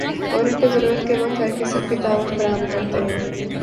اور ان کو ضرورت کے وقت ہر قسم کی تعاون فراہم کرتے ہیں ۔